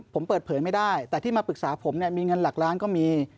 ผมเปิดเผยไม่ได้แต่ที่มาปรึกษาผมเนี่ยมีเงินหลักล้านก็มี